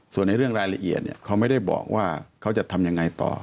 ส่วนในเรื่องรายละเอียดเขาไม่ได้บอกว่าเขาจะทำยังไงต่อ